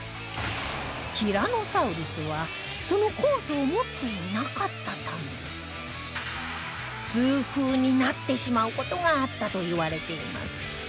ティラノサウルスはその酵素を持っていなかったため痛風になってしまう事があったといわれています